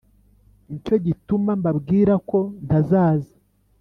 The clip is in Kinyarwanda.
Ni cyo gituma mbabwira ko ntazaza